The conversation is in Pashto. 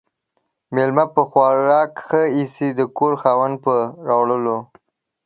ميلمه په خوراک ِښه ايسي ، د کور خاوند ، په راوړلو.